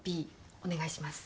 お願いします。